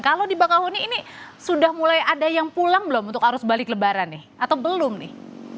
kalau di bangkahuni ini sudah mulai ada yang pulang belum untuk arus balik lebaran nih atau belum nih